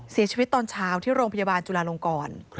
เสียชีวิตตอนเช้าที่โรงพยาบาลจุลาลงกร